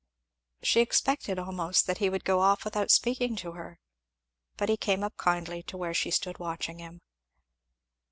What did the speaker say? She expected almost that he would go off without speaking to her. But he came up kindly to where she stood watching him.